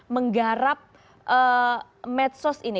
menggarap medsos ini